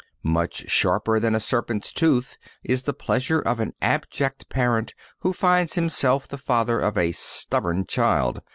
Much sharper than a serpent's tooth is the pleasure of an abject parent who finds himself the father of a stubborn child.